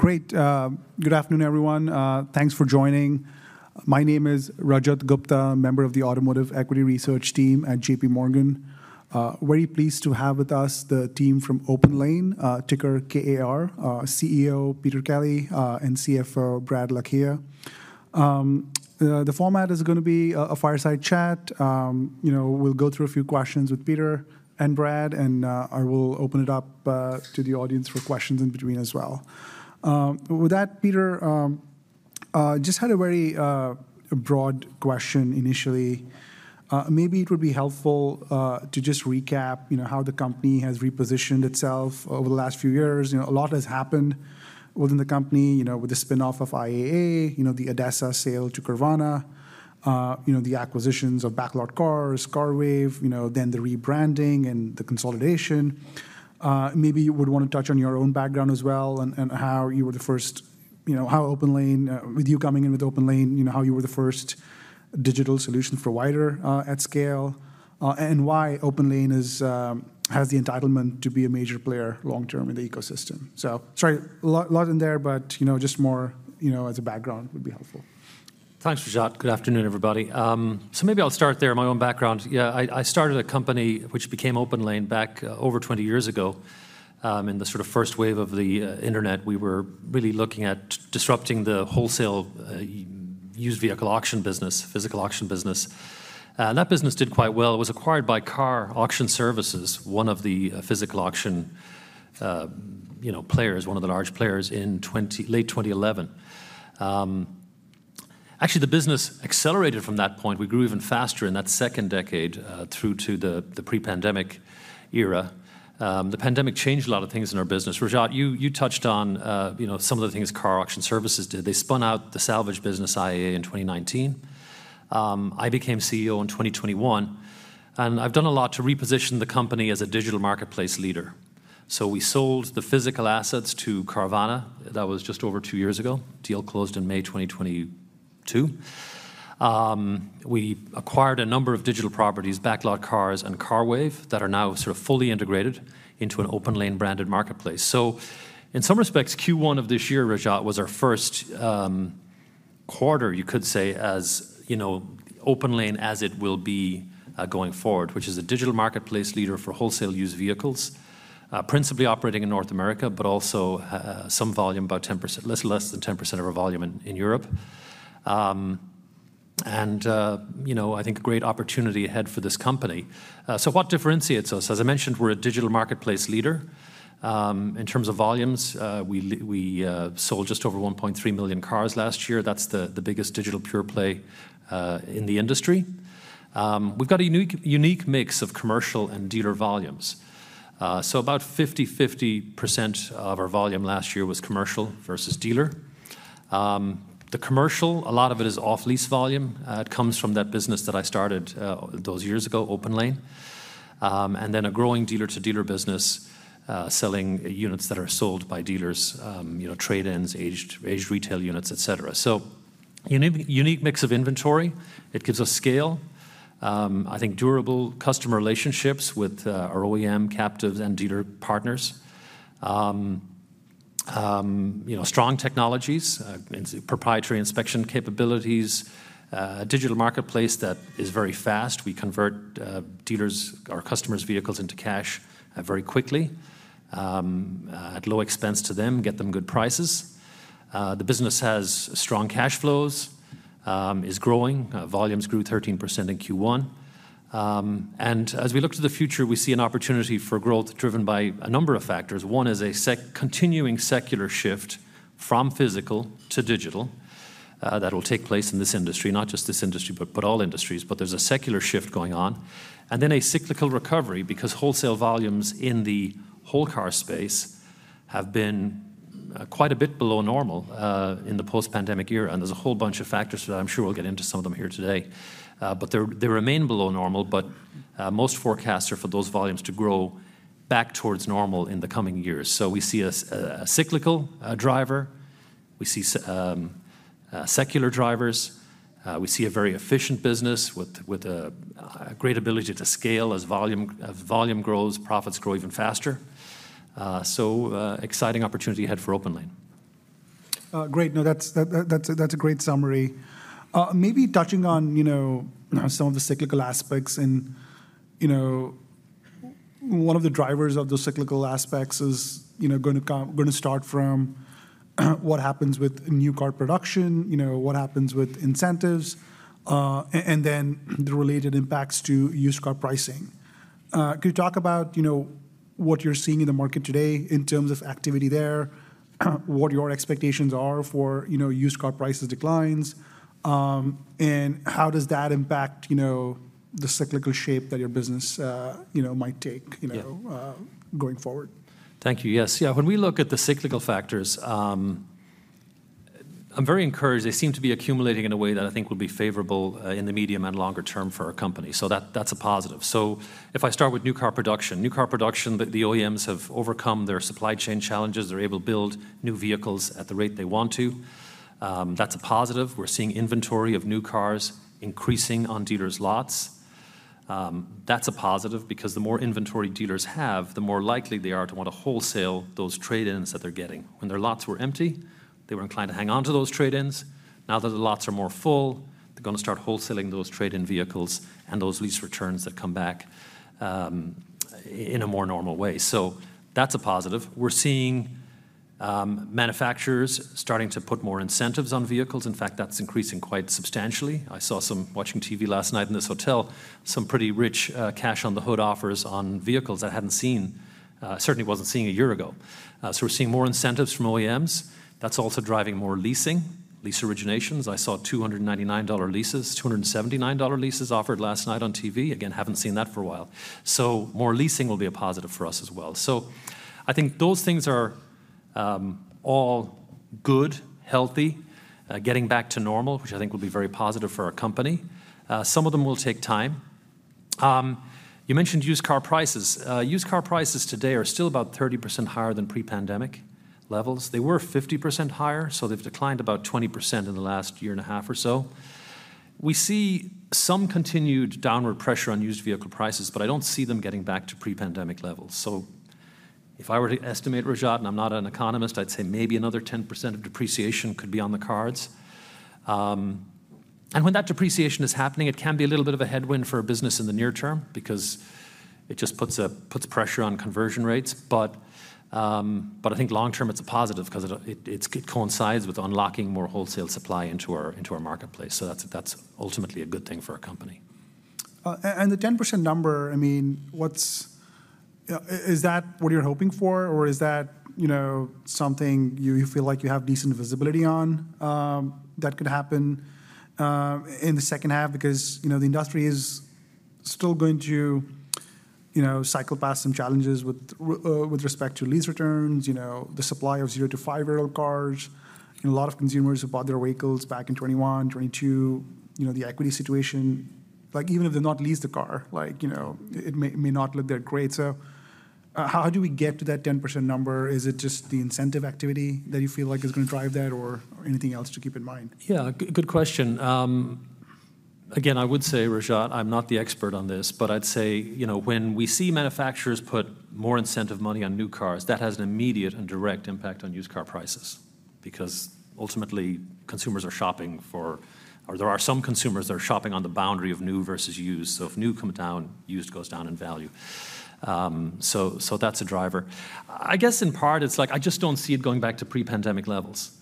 Great. Good afternoon, everyone. Thanks for joining. My name is Rajat Gupta, member of the Automotive Equity Research Team at JPMorgan. Very pleased to have with us the team from OPENLANE, ticker KAR, CEO Peter Kelly, and CFO Brad Lakhia. The format is gonna be a fireside chat. You know, we'll go through a few questions with Peter and Brad, and I will open it up to the audience for questions in between as well. With that, Peter, just had a very broad question initially. Maybe it would be helpful to just recap, you know, how the company has repositioned itself over the last few years. You know, a lot has happened within the company, you know, with the spin-off of IAA, you know, the ADESA sale to Carvana, you know, the acquisitions of BacklotCars, CARWAVE, you know, then the rebranding and the consolidation. Maybe you would want to touch on your own background as well and, and how you were the first... You know, how OPENLANE, with you coming in with OPENLANE, you know, how you were the first digital solution provider, at scale, and why OPENLANE is, has the entitlement to be a major player long-term in the ecosystem. So sorry, lot, lot in there, but, you know, just more, you know, as a background would be helpful. Thanks, Rajat. Good afternoon, everybody. So maybe I'll start there, my own background. Yeah, I started a company which became OPENLANE back over 20 years ago. In the sort of first wave of the internet, we were really looking at disrupting the wholesale used vehicle auction business, physical auction business. And that business did quite well. It was acquired by KAR Auction Services, one of the physical auction, you know, players, one of the large players in late 2011. Actually, the business accelerated from that point. We grew even faster in that second decade through to the pre-pandemic era. The pandemic changed a lot of things in our business. Rajat, you touched on some of the things KAR Auction Services did. They spun out the salvage business, IAA, in 2019. I became CEO in 2021, and I've done a lot to reposition the company as a digital marketplace leader. We sold the physical assets to Carvana. That was just over two years ago. Deal closed in May 2022. We acquired a number of digital properties, BacklotCars and CARWAVE, that are now sort of fully integrated into an OPENLANE-branded marketplace. In some respects, Q1 of this year, Rajat, was our first quarter, you could say, as you know, OPENLANE as it will be going forward, which is a digital marketplace leader for wholesale used vehicles, principally operating in North America, but also some volume, about 10%, a little less than 10% of our volume in Europe. You know, I think a great opportunity ahead for this company. So what differentiates us? As I mentioned, we're a digital marketplace leader. In terms of volumes, we sold just over 1.3 million cars last year. That's the biggest digital pure play in the industry. We've got a unique mix of commercial and dealer volumes. So about 50/50% of our volume last year was commercial versus dealer. The commercial, a lot of it is off-lease volume. It comes from that business that I started those years ago, OPENLANE. And then a growing dealer-to-dealer business, selling units that are sold by dealers, you know, trade-ins, aged retail units, et cetera. So unique mix of inventory. It gives us scale. I think durable customer relationships with our OEM captives and dealer partners. You know, strong technologies and proprietary inspection capabilities, a digital marketplace that is very fast. We convert dealers or customers' vehicles into cash very quickly at low expense to them, get them good prices. The business has strong cash flows, is growing. Volumes grew 13% in Q1. And as we look to the future, we see an opportunity for growth driven by a number of factors. One is a continuing secular shift from physical to digital that will take place in this industry, not just this industry, but all industries. But there's a secular shift going on, and then a cyclical recovery, because wholesale volumes in the whole car space have been quite a bit below normal in the post-pandemic era, and there's a whole bunch of factors for that. I'm sure we'll get into some of them here today. But they remain below normal, but most forecasts are for those volumes to grow back towards normal in the coming years. So we see a cyclical driver, we see secular drivers, we see a very efficient business with a great ability to scale. As volume, as volume grows, profits grow even faster. So, exciting opportunity ahead for OPENLANE. Great. No, that's a great summary. Maybe touching on, you know, some of the cyclical aspects and, you know, one of the drivers of those cyclical aspects is, you know, gonna start from what happens with new car production, you know, what happens with incentives, and then the related impacts to used car pricing. Could you talk about, you know, what you're seeing in the market today in terms of activity there, what your expectations are for, you know, used car prices declines, and how does that impact, you know, the cyclical shape that your business, you know, might take- Yeah... you know, going forward? Thank you. Yes. Yeah, when we look at the cyclical factors, I'm very encouraged. They seem to be accumulating in a way that I think will be favorable, in the medium and longer term for our company, so that's a positive. So if I start with new car production, new car production, the OEMs have overcome their supply chain challenges. They're able to build new vehicles at the rate they want to. That's a positive. We're seeing inventory of new cars increasing on dealers' lots.... That's a positive, because the more inventory dealers have, the more likely they are to want to wholesale those trade-ins that they're getting. When their lots were empty, they were inclined to hang on to those trade-ins. Now that the lots are more full, they're gonna start wholesaling those trade-in vehicles and those lease returns that come back in a more normal way. So that's a positive. We're seeing manufacturers starting to put more incentives on vehicles. In fact, that's increasing quite substantially. I saw some, watching TV last night in this hotel, some pretty rich cash on the hood offers on vehicles I hadn't seen, certainly wasn't seeing a year ago. So we're seeing more incentives from OEMs. That's also driving more leasing, lease originations. I saw $299 leases, $279 leases offered last night on TV. Again, haven't seen that for a while. So more leasing will be a positive for us as well. So I think those things are all good, healthy, getting back to normal, which I think will be very positive for our company. Some of them will take time. You mentioned used car prices. Used car prices today are still about 30% higher than pre-pandemic levels. They were 50% higher, so they've declined about 20% in the last year and a half or so. We see some continued downward pressure on used vehicle prices, but I don't see them getting back to pre-pandemic levels. So if I were to estimate, Rajat, and I'm not an economist, I'd say maybe another 10% of depreciation could be on the cards. And when that depreciation is happening, it can be a little bit of a headwind for a business in the near term because it just puts, puts pressure on conversion rates. But I think long term, it's a positive 'cause it coincides with unlocking more wholesale supply into our marketplace. So that's ultimately a good thing for our company. And the 10% number, I mean, what's... Is that what you're hoping for, or is that, you know, something you, you feel like you have decent visibility on, that could happen in the second half? Because, you know, the industry is still going to, you know, cycle past some challenges with respect to lease returns, you know, the supply of zero to five-year-old cars. You know, a lot of consumers who bought their vehicles back in 2021, 2022, you know, the equity situation. Like, even if they not lease the car, like, you know, it may not look that great. So, how do we get to that 10% number? Is it just the incentive activity that you feel like is gonna drive that, or anything else to keep in mind? Yeah, good, good question. Again, I would say, Rajat, I'm not the expert on this, but I'd say, you know, when we see manufacturers put more incentive money on new cars, that has an immediate and direct impact on used car prices, because ultimately, consumers are shopping for... Or there are some consumers that are shopping on the boundary of new versus used. So if new come down, used goes down in value. So that's a driver. I guess in part, it's like I just don't see it going back to pre-pandemic levels,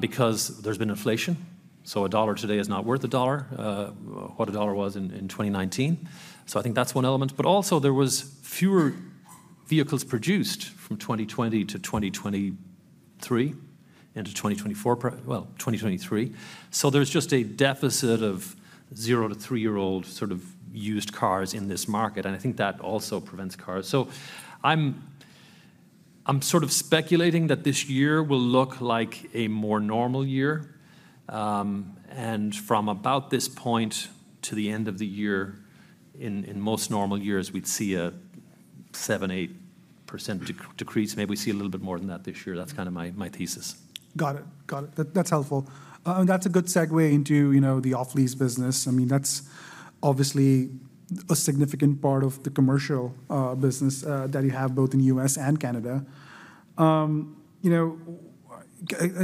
because there's been inflation, so a dollar today is not worth a dollar, what a dollar was in 2019. So I think that's one element. But also, there was fewer vehicles produced from 2020 to 2023, into 2024, well, 2023. So there's just a deficit of zero to three-year-old sort of used cars in this market, and I think that also prevents cars. So I'm sort of speculating that this year will look like a more normal year. And from about this point to the end of the year, in most normal years, we'd see a 7%-8% decrease. Maybe we see a little bit more than that this year. That's kind of my thesis. Got it. Got it. That's helpful. And that's a good segue into, you know, the off-lease business. I mean, that's obviously a significant part of the commercial business that you have both in the U.S. and Canada. You know,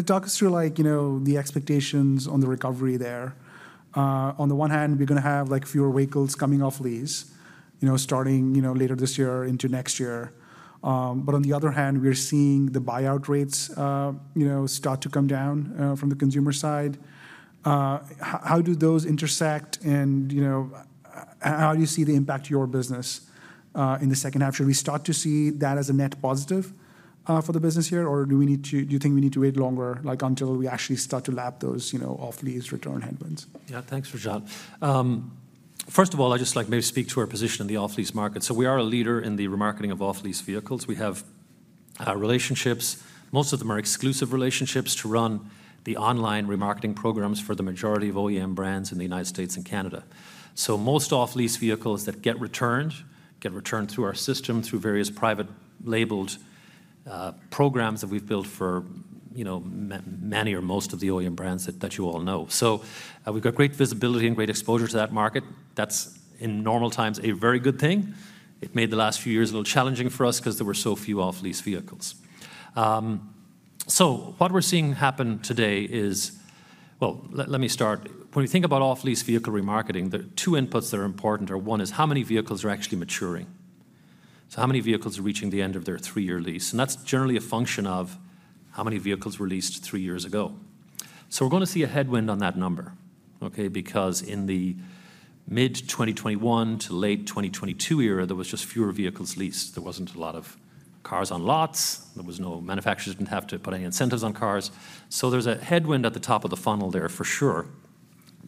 talk us through, like, you know, the expectations on the recovery there. On the one hand, we're gonna have, like, fewer vehicles coming off lease, you know, starting, you know, later this year into next year. But on the other hand, we're seeing the buyout rates, you know, start to come down from the consumer side. How do those intersect, and, you know, how do you see the impact to your business in the second half? Should we start to see that as a net positive for the business year, or do you think we need to wait longer, like, until we actually start to lap those, you know, off-lease return headwinds? Yeah. Thanks, Rajat. First of all, I'd just like maybe speak to our position in the off-lease market. So we are a leader in the remarketing of off-lease vehicles. We have relationships, most of them are exclusive relationships, to run the online remarketing programs for the majority of OEM brands in the United States and Canada. So most off-lease vehicles that get returned, get returned through our system, through various private labeled programs that we've built for, you know, many or most of the OEM brands that you all know. So we've got great visibility and great exposure to that market. That's, in normal times, a very good thing. It made the last few years a little challenging for us 'cause there were so few off-lease vehicles. So what we're seeing happen today is... Well, let me start. When we think about off-lease vehicle remarketing, the two inputs that are important are, one, is how many vehicles are actually maturing? So how many vehicles are reaching the end of their three-year lease? And that's generally a function of how many vehicles were leased three years ago. So we're gonna see a headwind on that number, okay? Because in the mid-2021 to late 2022 era, there was just fewer vehicles leased. There wasn't a lot of cars on lots. There was no... Manufacturers didn't have to put any incentives on cars. So there's a headwind at the top of the funnel there, for sure.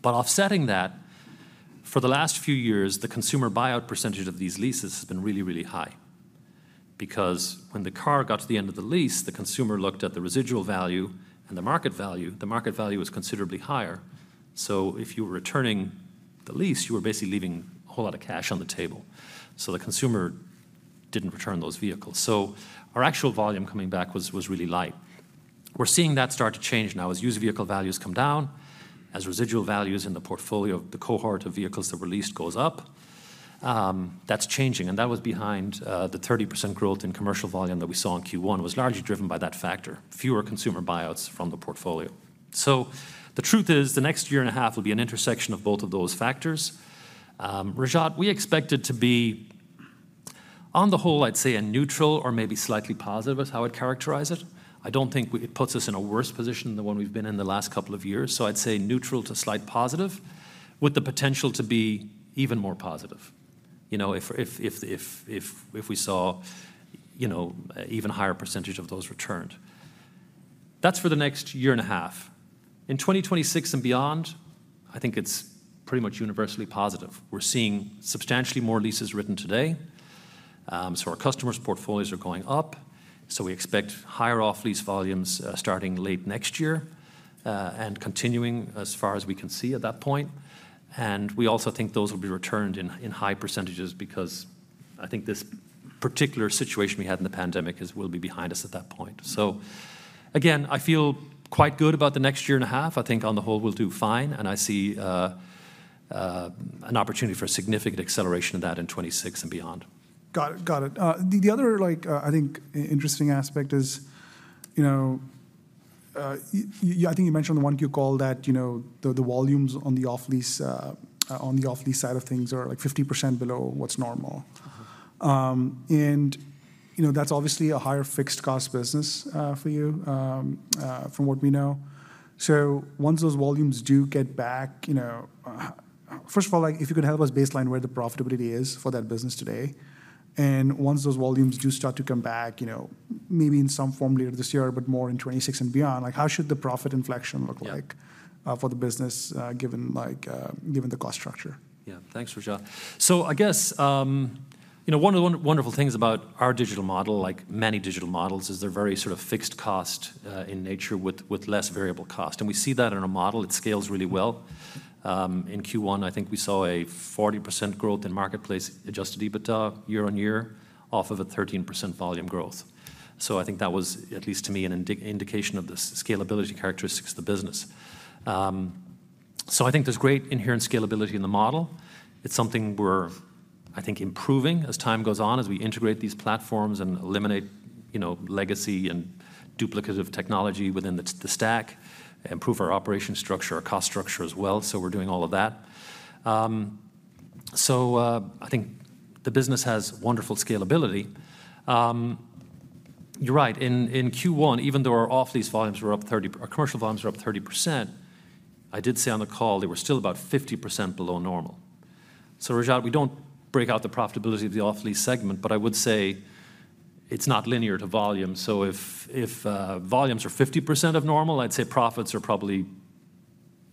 But offsetting that, for the last few years, the consumer buyout percentage of these leases has been really, really high. Because when the car got to the end of the lease, the consumer looked at the residual value and the market value, the market value was considerably higher. So if you were returning the lease, you were basically leaving a whole lot of cash on the table. So the consumer didn't return those vehicles. So our actual volume coming back was really light. We're seeing that start to change now as used vehicle values come down, as residual values in the portfolio of the cohort of vehicles that were leased goes up. That's changing, and that was behind the 30% growth in commercial volume that we saw in Q1, was largely driven by that factor, fewer consumer buyouts from the portfolio. So the truth is, the next year and a half will be an intersection of both of those factors. Rajat, we expect it to be, on the whole, I'd say a neutral or maybe slightly positive is how I'd characterize it. I don't think it puts us in a worse position than the one we've been in the last couple of years. So I'd say neutral to slight positive, with the potential to be even more positive. You know, if we saw, you know, even higher percentage of those returned. That's for the next year and a half. In 2026 and beyond, I think it's pretty much universally positive. We're seeing substantially more leases written today. So our customers' portfolios are going up, so we expect higher off-lease volumes, starting late next year, and continuing as far as we can see at that point. And we also think those will be returned in high percentages because I think this particular situation we had in the pandemic will be behind us at that point. So again, I feel quite good about the next year and a half. I think on the whole, we'll do fine, and I see an opportunity for a significant acceleration of that in 2026 and beyond. Got it, got it. The other, like, I think interesting aspect is, you know, I think you mentioned on the 1Q call that, you know, the volumes on the off-lease, on the off-lease side of things are, like, 50% below what's normal. Mm-hmm. And, you know, that's obviously a higher fixed-cost business for you from what we know. So once those volumes do get back, you know. First of all, like, if you could help us baseline where the profitability is for that business today, and once those volumes do start to come back, you know, maybe in some form later this year, but more in 2026 and beyond, like, how should the profit inflection look like? Yeah... For the business, given, like, given the cost structure? Yeah. Thanks, Rajat. So I guess, you know, one of the wonderful things about our digital model, like many digital models, is they're very sort of fixed cost in nature, with less variable cost, and we see that in our model. It scales really well. In Q1, I think we saw a 40% growth in marketplace-adjusted EBITDA year-over-year, off of a 13% volume growth. So I think that was, at least to me, an indication of the scalability characteristics of the business. So I think there's great inherent scalability in the model. It's something we're, I think, improving as time goes on, as we integrate these platforms and eliminate, you know, legacy and duplicative technology within the stack, improve our operation structure, our cost structure as well, so we're doing all of that. So, I think the business has wonderful scalability. You're right. In Q1, even though our off-lease volumes were up 30%, our commercial volumes were up 30%, I did say on the call they were still about 50% below normal. So, Rajat, we don't break out the profitability of the off-lease segment, but I would say it's not linear to volume. So if volumes are 50% of normal, I'd say profits are probably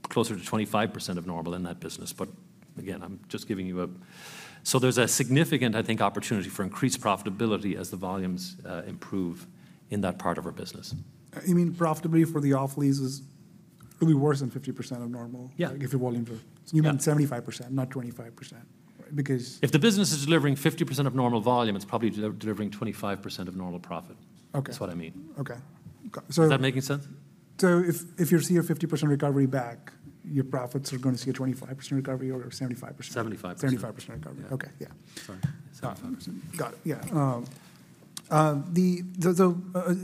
closer to 25% of normal in that business. But again, I'm just giving you a... So there's a significant, I think, opportunity for increased profitability as the volumes improve in that part of our business. You mean profitability for the off-lease is, will be worse than 50% of normal- Yeah like, if the volumes are... Yeah. You mean 75%, not 25%, because- If the business is delivering 50% of normal volume, it's probably delivering 25% of normal profit. Okay. That's what I mean. Okay. Okay, so- Is that making sense? So if you see a 50% recovery back, your profits are going to see a 25% recovery or a 75%? 75%. 75% recovery. Yeah. Okay, yeah. Sorry, 75%. Got it. Yeah.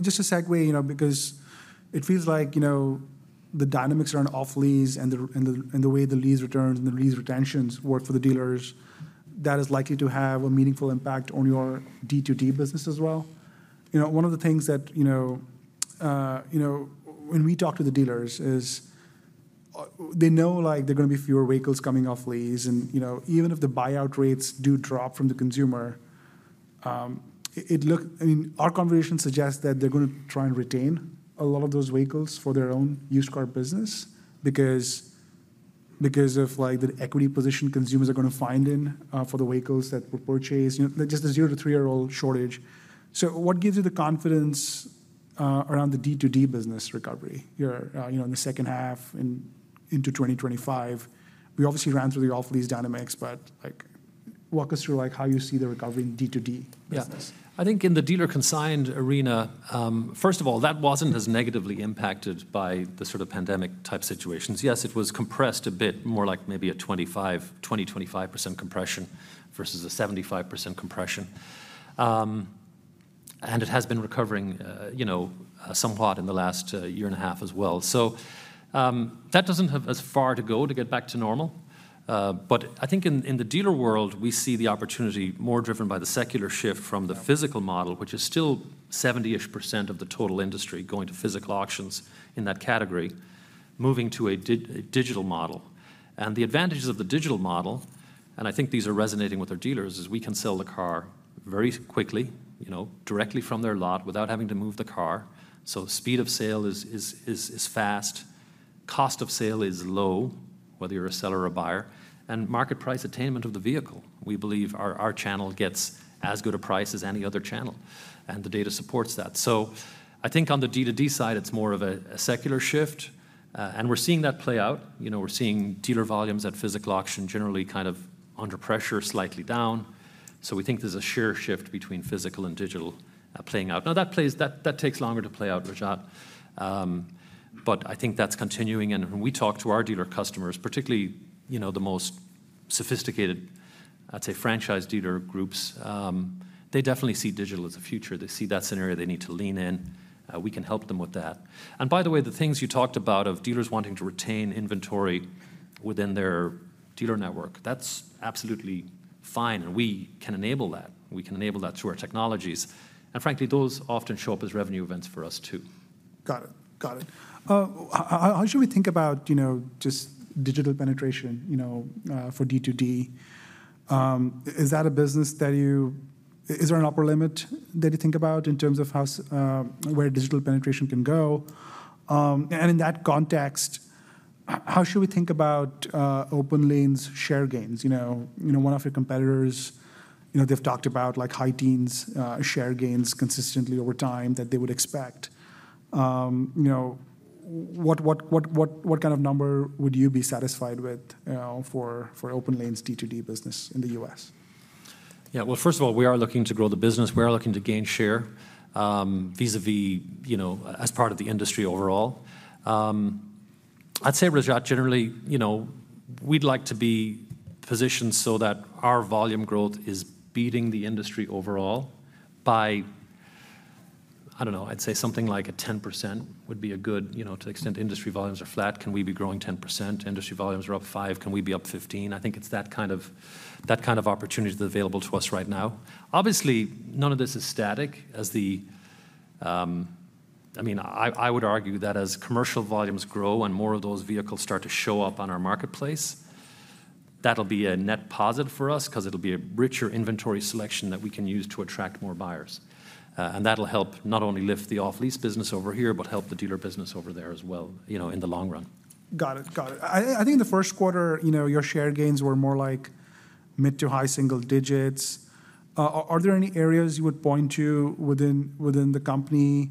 Just to segue, you know, because it feels like, you know, the dynamics around off-lease and the way the lease returns and the lease retentions work for the dealers, that is likely to have a meaningful impact on your D2D business as well. You know, one of the things that, you know, you know, when we talk to the dealers is, they know, like, there are going to be fewer vehicles coming off lease, and, you know, even if the buyout rates do drop from the consumer, I mean, our conversation suggests that they're going to try and retain a lot of those vehicles for their own used car business because of, like, the equity position consumers are going to find in for the vehicles that were purchased. You know, just a zero to three-year-old shortage. So what gives you the confidence around the D2D business recovery here, you know, in the second half and into 2025? We obviously ran through the off-lease dynamics, but, like, walk us through, like, how you see the recovery in D2D business. Yeah. I think in the dealer-consigned arena, first of all, that wasn't as negatively impacted by the sort of pandemic-type situations. Yes, it was compressed a bit, more like maybe a 25%, 20%-25% compression versus a 75% compression. And it has been recovering, you know, somewhat in the last year and a half as well. So, that doesn't have as far to go to get back to normal. But I think in the dealer world, we see the opportunity more driven by the secular shift from the physical model, which is still 70-ish percent of the total industry going to physical auctions in that category, moving to a digital model. The advantages of the digital model, and I think these are resonating with our dealers, is we can sell the car very quickly, you know, directly from their lot without having to move the car. So speed of sale is fast, cost of sale is low, whether you're a seller or buyer, and market price attainment of the vehicle. We believe our channel gets as good a price as any other channel, and the data supports that. So I think on the D2D side, it's more of a secular shift, and we're seeing that play out. You know, we're seeing dealer volumes at physical auction generally kind of under pressure, slightly down. So we think there's a share shift between physical and digital, playing out. Now, that takes longer to play out, Rajat. But I think that's continuing, and when we talk to our dealer customers, particularly, you know, the most sophisticated, I'd say, franchise dealer groups, they definitely see digital as the future. They see that's an area they need to lean in. We can help them with that. And by the way, the things you talked about of dealers wanting to retain inventory within their dealer network, that's absolutely fine, and we can enable that. We can enable that through our technologies, and frankly, those often show up as revenue events for us, too. Got it. Got it. How should we think about, you know, just digital penetration, you know, for D2D? Is that a business that you... Is there an upper limit that you think about in terms of where digital penetration can go? And in that context, how should we think about, OPENLANE's share gains? You know, one of your competitors, you know, they've talked about, like, high teens, share gains consistently over time that they would expect. What kind of number would you be satisfied with, you know, for, for OPENLANE's D2D business in the U.S.? Yeah, well, first of all, we are looking to grow the business. We are looking to gain share, vis-à-vis, you know, as part of the industry overall. I'd say, Rajat, generally, you know, we'd like to be positioned so that our volume growth is beating the industry overall by, I don't know, I'd say something like a 10% would be a good... You know, to the extent industry volumes are flat, can we be growing 10%? Industry volumes are up five; can we be up 15? I think it's that kind of, that kind of opportunity that's available to us right now. Obviously, none of this is static. As the... I mean, I, I would argue that as commercial volumes grow and more of those vehicles start to show up on our marketplace, that'll be a net positive for us 'cause it'll be a richer inventory selection that we can use to attract more buyers. And that'll help not only lift the off-lease business over here but help the dealer business over there as well, you know, in the long run. Got it, got it. I think in the first quarter, you know, your share gains were more like mid to high single digits. Are there any areas you would point to within the company?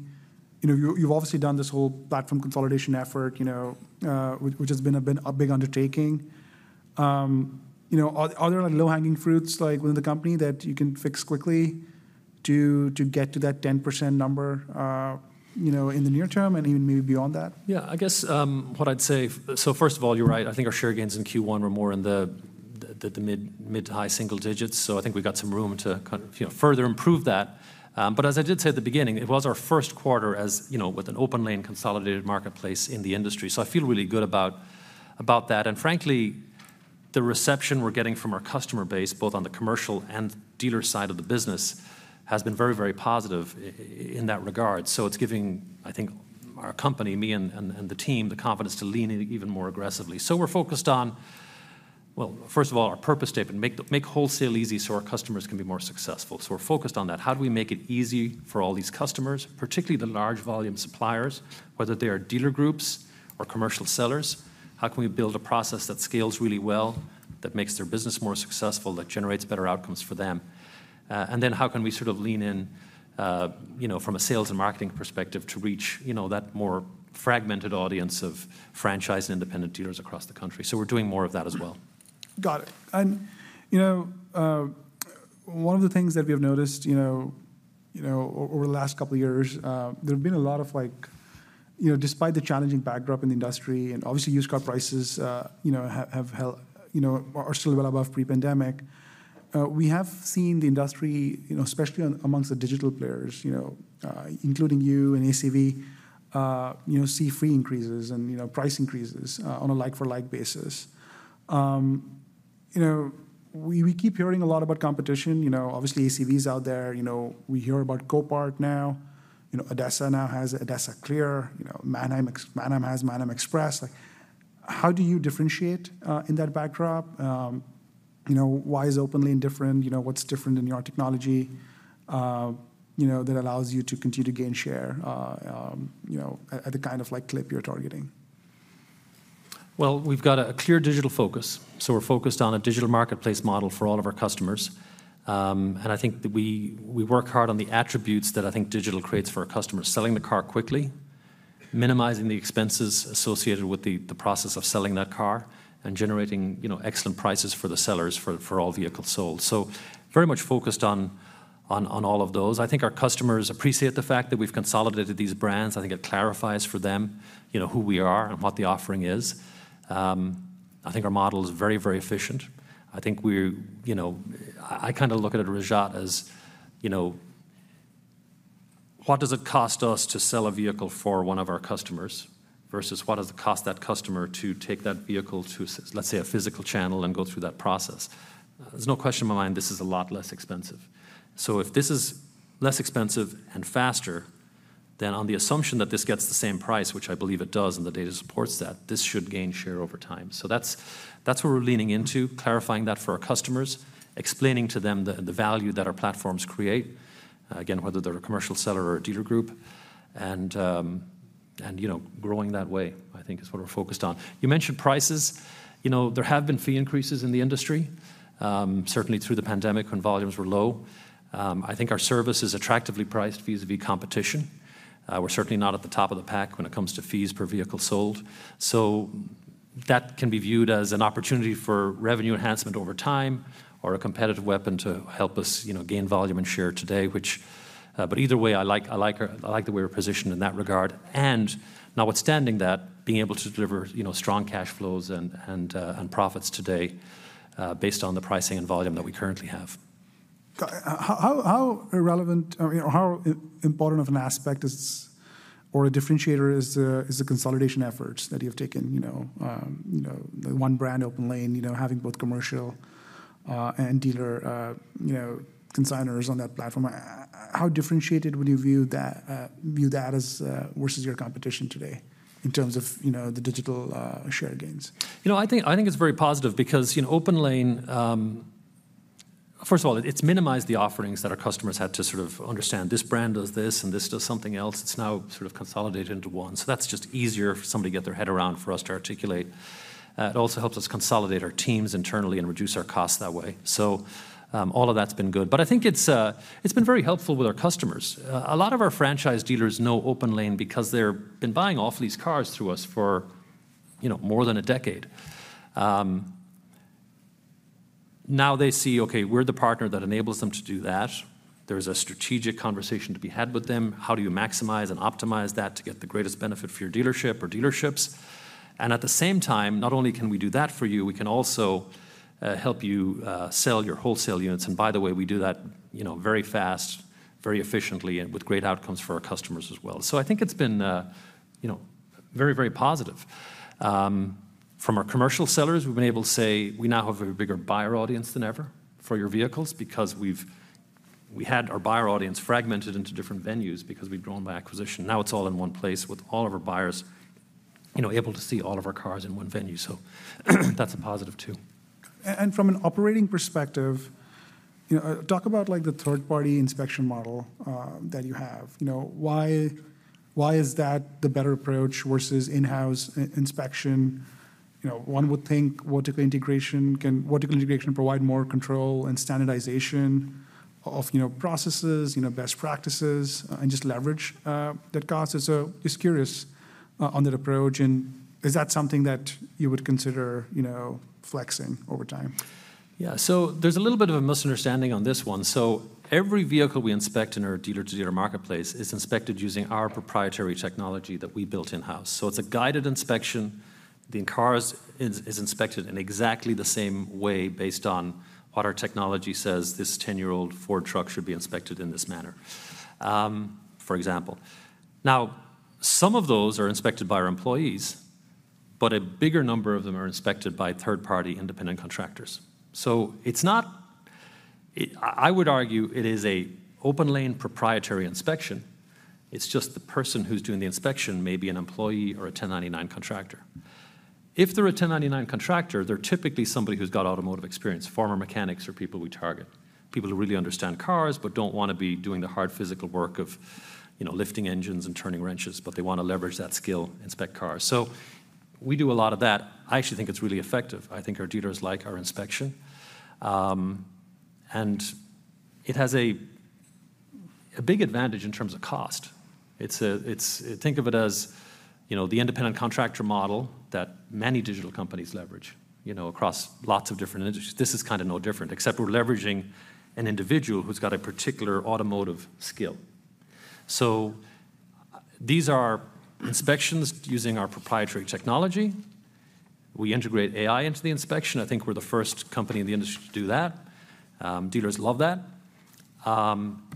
You know, you've obviously done this whole platform consolidation effort, you know, which has been a big undertaking. You know, are there, like, low-hanging fruits, like, within the company that you can fix quickly to get to that 10% number, you know, in the near term and even maybe beyond that? Yeah, I guess, what I'd say... so first of all, you're right. I think our share gains in Q1 were more in the mid- to high single digits, so I think we've got some room to kind of, you know, further improve that. But as I did say at the beginning, it was our first quarter, as, you know, with an OPENLANE consolidated marketplace in the industry, so I feel really good about that. And frankly, the reception we're getting from our customer base, both on the commercial and dealer side of the business, has been very, very positive in that regard. So it's giving, I think, our company, me and the team, the confidence to lean in even more aggressively. So we're focused on, well, first of all, our purpose statement: Make wholesale easy so our customers can be more successful. So we're focused on that. How do we make it easy for all these customers, particularly the large-volume suppliers, whether they are dealer groups or commercial sellers? How can we build a process that scales really well, that makes their business more successful, that generates better outcomes for them? And then how can we sort of lean in, you know, from a sales and marketing perspective to reach, you know, that more fragmented audience of franchise and independent dealers across the country? So we're doing more of that as well. Got it. You know, one of the things that we have noticed, you know, over the last couple of years, there have been a lot of, like... You know, despite the challenging backdrop in the industry, and obviously, used car prices, you know, have held, you know, are still well above pre-pandemic, we have seen the industry, you know, especially on, among the digital players, you know, including you and ACV, you know, see fee increases and, you know, price increases, on a like-for-like basis. You know, we keep hearing a lot about competition. You know, obviously, ACV's out there. You know, we hear about Copart now. You know, ADESA now has ADESA Clear. You know, Manheim has Manheim Express. Like, how do you differentiate in that backdrop? You know, why is OPENLANE different? You know, what's different in your technology, you know, that allows you to continue to gain share, you know, at the kind of, like, clip you're targeting? Well, we've got a clear digital focus, so we're focused on a digital marketplace model for all of our customers. And I think that we work hard on the attributes that I think digital creates for our customers: selling the car quickly, minimizing the expenses associated with the process of selling that car, and generating, you know, excellent prices for the sellers for all vehicles sold. So very much focused on all of those. I think our customers appreciate the fact that we've consolidated these brands. I think it clarifies for them, you know, who we are and what the offering is. I think our model is very, very efficient. I think we're, you know... I kind of look at it, Rajat, as, you know, what does it cost us to sell a vehicle for one of our customers versus what does it cost that customer to take that vehicle to—let's say, a physical channel and go through that process? There's no question in my mind this is a lot less expensive. So if this is less expensive and faster, then on the assumption that this gets the same price, which I believe it does, and the data supports that, this should gain share over time. So that's, that's what we're leaning into, clarifying that for our customers, explaining to them the, the value that our platforms create, again, whether they're a commercial seller or a dealer group, and, and, you know, growing that way, I think is what we're focused on. You mentioned prices. You know, there have been fee increases in the industry, certainly through the pandemic when volumes were low. I think our service is attractively priced vis-à-vis competition. We're certainly not at the top of the pack when it comes to fees per vehicle sold. That can be viewed as an opportunity for revenue enhancement over time, or a competitive weapon to help us, you know, gain volume and share today, which, but either way, I like, I like our- I like the way we're positioned in that regard. And notwithstanding that, being able to deliver, you know, strong cash flows and, and, and profits today, based on the pricing and volume that we currently have. How irrelevant or, you know, how important of an aspect is, or a differentiator is the consolidation efforts that you have taken, you know, the one brand OPENLANE, you know, having both commercial and dealer, you know, consignors on that platform. How differentiated would you view that as versus your competition today in terms of, you know, the digital share gains? You know, I think, I think it's very positive because, you know, OPENLANE. First of all, it's minimized the offerings that our customers had to sort of understand, "This brand does this, and this does something else." It's now sort of consolidated into one. So that's just easier for somebody to get their head around, for us to articulate. It also helps us consolidate our teams internally and reduce our costs that way. So, all of that's been good. But I think it's, it's been very helpful with our customers. A lot of our franchise dealers know OPENLANE because they're been buying off-lease cars through us for, you know, more than a decade. Now they see, okay, we're the partner that enables them to do that. There's a strategic conversation to be had with them. How do you maximize and optimize that to get the greatest benefit for your dealership or dealerships? And at the same time, not only can we do that for you, we can also help you sell your wholesale units. And by the way, we do that, you know, very fast, very efficiently, and with great outcomes for our customers as well. So I think it's been, you know, very, very positive. From our commercial sellers, we've been able to say we now have a bigger buyer audience than ever for your vehicles because we had our buyer audience fragmented into different venues because we've grown by acquisition. Now, it's all in one place with all of our buyers, you know, able to see all of our cars in one venue, so that's a positive, too. From an operating perspective, you know, talk about, like, the third-party inspection model that you have. You know, why is that the better approach versus in-house inspection? You know, one would think vertical integration provide more control and standardization of, you know, processes, you know, best practices, and just leverage that cost. So just curious on that approach, and is that something that you would consider, you know, flexing over time? Yeah. So there's a little bit of a misunderstanding on this one. So every vehicle we inspect in our dealer-to-dealer marketplace is inspected using our proprietary technology that we built in-house. So it's a guided inspection. The car is inspected in exactly the same way, based on what our technology says this 10-year-old Ford truck should be inspected in this manner, for example. Now, some of those are inspected by our employees, but a bigger number of them are inspected by third-party independent contractors. So it's not. I would argue it is an OPENLANE proprietary inspection. It's just the person who's doing the inspection may be an employee or a 1099 contractor. If they're a 1099 contractor, they're typically somebody who's got automotive experience. Former mechanics are people we target, people who really understand cars but don't wanna be doing the hard physical work of, you know, lifting engines and turning wrenches, but they wanna leverage that skill, inspect cars. So we do a lot of that. I actually think it's really effective. I think our dealers like our inspection, and it has a big advantage in terms of cost. Think of it as, you know, the independent contractor model that many digital companies leverage, you know, across lots of different industries. This is kind of no different, except we're leveraging an individual who's got a particular automotive skill. So these are inspections using our proprietary technology. We integrate AI into the inspection. I think we're the first company in the industry to do that. Dealers love that.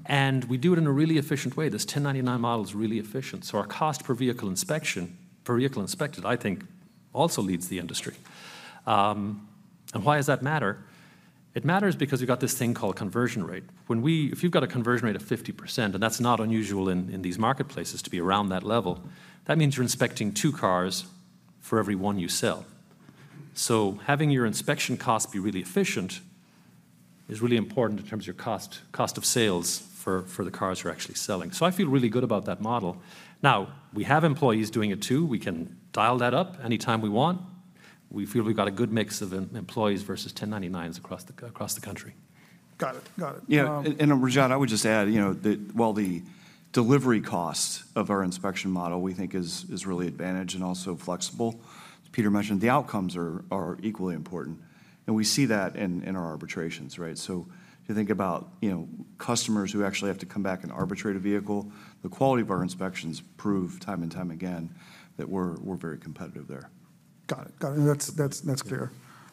And we do it in a really efficient way. This 1099 model is really efficient, so our cost per vehicle inspection, per vehicle inspected, I think, also leads the industry. And why does that matter? It matters because we've got this thing called conversion rate. If you've got a conversion rate of 50%, and that's not unusual in these marketplaces to be around that level, that means you're inspecting two cars for every one you sell. So having your inspection costs be really efficient is really important in terms of your cost, cost of sales for the cars you're actually selling. So I feel really good about that model. Now, we have employees doing it, too. We can dial that up anytime we want. We feel we've got a good mix of employees versus 1099s across the country. Got it. Got it, Yeah, and, and Rajat, I would just add, you know, that while the delivery cost of our inspection model we think is, is really advantageous and also flexible, as Peter mentioned, the outcomes are, are equally important, and we see that in, in our arbitrations, right? So if you think about, you know, customers who actually have to come back and arbitrate a vehicle, the quality of our inspections prove time and time again that we're, we're very competitive there. Got it. Got it. That's, that's, that's clear.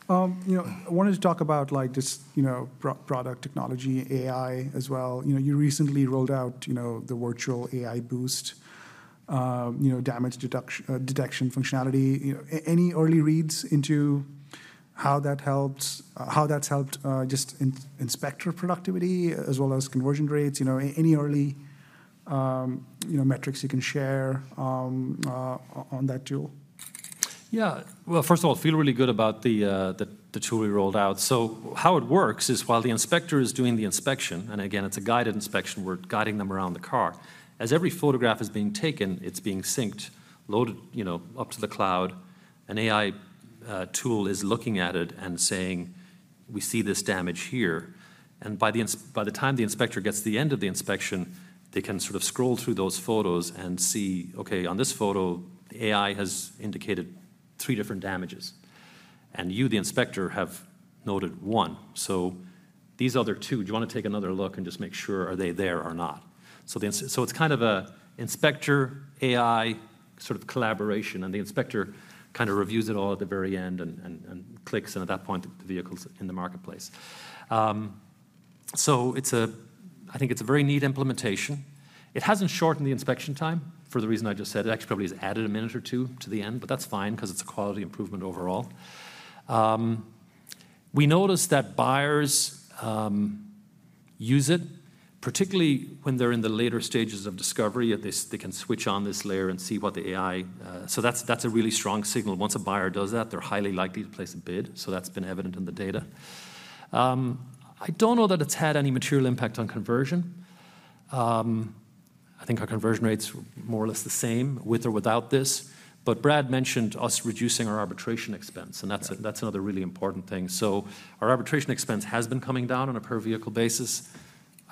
You know, I wanted to talk about, like, this, you know, product technology, AI as well. You know, you recently rolled out, you know, the Visual Boost AI, you know, damage detection functionality. You know, any early reads into how that helps, how that's helped, just inspector productivity as well as conversion rates? You know, any early, you know, metrics you can share, on that tool? Yeah. Well, first of all, I feel really good about the tool we rolled out. So how it works is while the inspector is doing the inspection, and again, it's a guided inspection, we're guiding them around the car, as every photograph is being taken, it's being synced, loaded, you know, up to the cloud. An AI tool is looking at it and saying we see this damage here, and by the time the inspector gets to the end of the inspection, they can sort of scroll through those photos and see, okay, on this photo, the AI has indicated three different damages, and you, the inspector, have noted one. So these other two, do you want to take another look and just make sure, are they there or not? So it's kind of a inspector-AI sort of collaboration, and the inspector kind of reviews it all at the very end and clicks, and at that point, the vehicle's in the marketplace. So it's a—I think it's a very neat implementation. It hasn't shortened the inspection time for the reason I just said. It actually probably has added a minute or two to the end, but that's fine 'cause it's a quality improvement overall. We noticed that buyers use it, particularly when they're in the later stages of discovery; they can switch on this layer and see what the AI... So that's a really strong signal. Once a buyer does that, they're highly likely to place a bid, so that's been evident in the data. I don't know that it's had any material impact on conversion. I think our conversion rate's more or less the same with or without this, but Brad mentioned us reducing our arbitration expense, and that's- Right... That's another really important thing. So our arbitration expense has been coming down on a per-vehicle basis.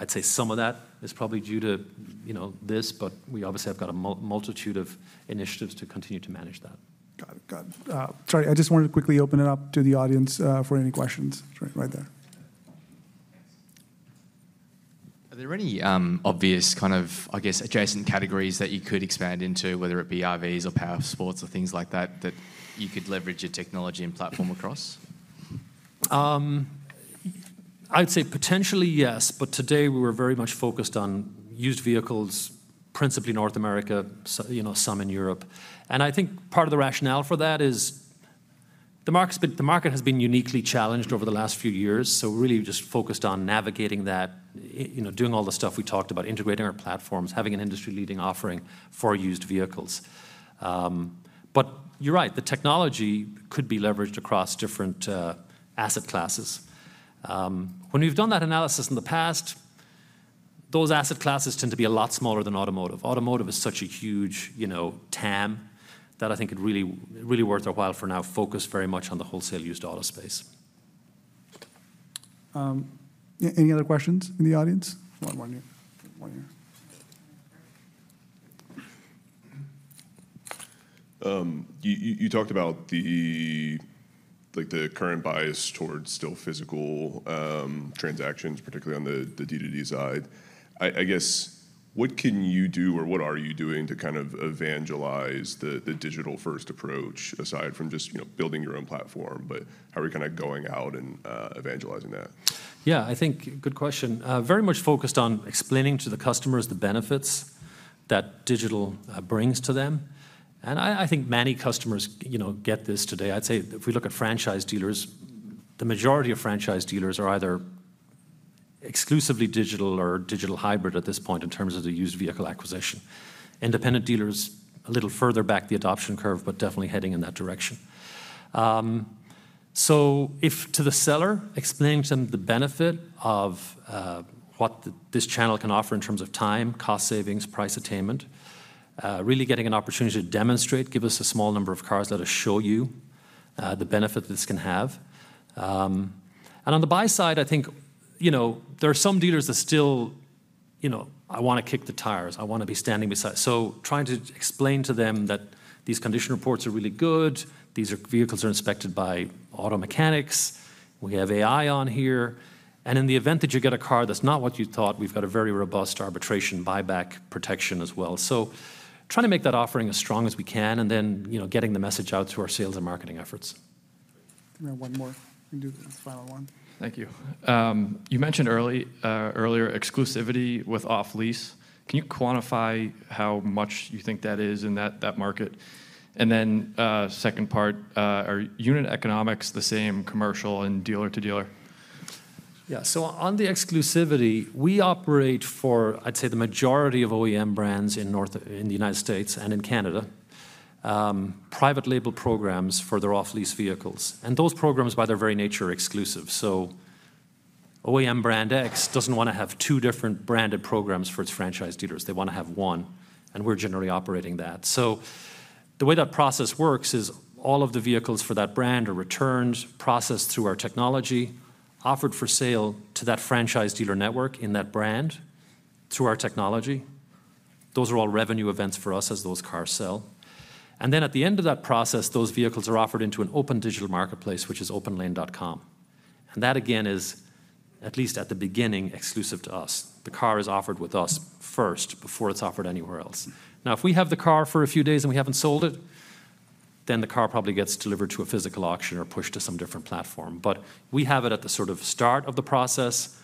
I'd say some of that is probably due to, you know, this, but we obviously have got a multitude of initiatives to continue to manage that. Got it. Got it. Sorry, I just wanted to quickly open it up to the audience for any questions. Sure, right there. Are there any obvious kind of, I guess, adjacent categories that you could expand into, whether it be RVs or powersports or things like that, that you could leverage your technology and platform across? I'd say potentially, yes, but today we're very much focused on used vehicles, principally North America, you know, some in Europe. And I think part of the rationale for that is the market has been uniquely challenged over the last few years, so we're really just focused on navigating that, you know, doing all the stuff we talked about, integrating our platforms, having an industry-leading offering for used vehicles. But you're right, the technology could be leveraged across different asset classes. When we've done that analysis in the past, those asset classes tend to be a lot smaller than automotive. Automotive is such a huge, you know, TAM, that I think it really, really worth our while for now focus very much on the wholesale used auto space. Any other questions in the audience? One right here. One here. You talked about, like, the current bias towards still physical transactions, particularly on the D2D side. I guess, what can you do, or what are you doing to kind of evangelize the digital-first approach, aside from just, you know, building your own platform, but how are you kind of going out and evangelizing that? Yeah, I think, good question. Very much focused on explaining to the customers the benefits that digital brings to them, and I, I think many customers, you know, get this today. I'd say if we look at franchise dealers, the majority of franchise dealers are either exclusively digital or digital hybrid at this point in terms of the used vehicle acquisition. Independent dealers, a little further back the adoption curve, but definitely heading in that direction. So if to the seller, explaining to them the benefit of, what this channel can offer in terms of time, cost savings, price attainment, really getting an opportunity to demonstrate, "Give us a small number of cars that will show you, the benefit this can have." And on the buy side, I think, you know, there are some dealers that still, you know, "I want to kick the tires. I want to be standing beside..." So trying to explain to them that these condition reports are really good, these are, vehicles are inspected by auto mechanics, we have AI on here, and in the event that you get a car that's not what you thought, we've got a very robust arbitration buyback protection as well. Trying to make that offering as strong as we can, and then, you know, getting the message out through our sales and marketing efforts. We have one more. We can do this final one. Thank you. You mentioned earlier exclusivity with off-lease. Can you quantify how much you think that is in that market? And then, second part, are unit economics the same commercial and dealer-to-dealer? Yeah. So on the exclusivity, we operate for, I'd say, the majority of OEM brands in North America in the United States and in Canada, private label programs for their off-lease vehicles, and those programs, by their very nature, are exclusive. So OEM Brand X doesn't want to have two different branded programs for its franchise dealers. They want to have one, and we're generally operating that. So the way that process works is, all of the vehicles for that brand are returned, processed through our technology, offered for sale to that franchise dealer network in that brand through our technology. Those are all revenue events for us as those cars sell. And then, at the end of that process, those vehicles are offered into an open digital marketplace, which is openlane.com, and that, again, is, at least at the beginning, exclusive to us. The car is offered with us first before it's offered anywhere else. Now, if we have the car for a few days and we haven't sold it, then the car probably gets delivered to a physical auction or pushed to some different platform. But we have it at the sort of start of the process,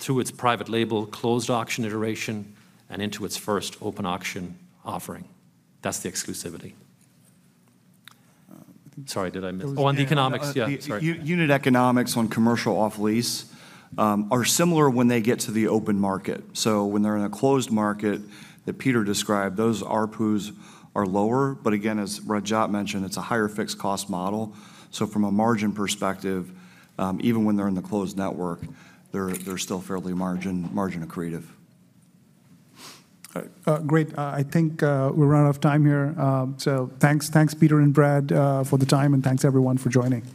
through its private label, closed auction iteration, and into its first open auction offering. That's the exclusivity. Sorry, did I miss...? Oh, yeah. Oh, on the economics, yeah. Sorry. The unit economics on commercial off-lease are similar when they get to the open market. So when they're in a closed market that Peter described, those ARPUs are lower, but again, as Rajat mentioned, it's a higher fixed cost model. So from a margin perspective, even when they're in the closed network, they're still fairly margin accretive. Great. I think we've run out of time here. So thanks, Peter and Brad, for the time, and thanks, everyone, for joining.